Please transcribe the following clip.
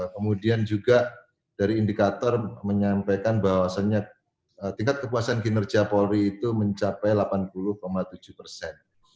kemudian juga dari indikator menyampaikan bahwasannya tingkat kepuasan kinerja polri itu mencapai delapan puluh tujuh persen